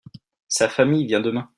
Sa famille vient demain.